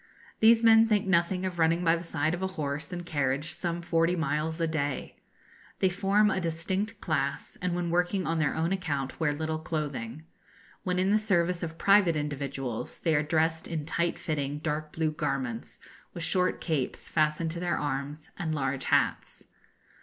These men think nothing of running by the side of a horse and carriage some forty miles a day. They form a distinct class, and when working on their own account wear little clothing. When in the service of private individuals they are dressed in tight fitting dark blue garments, with short capes, fastened to their arms, and large hats.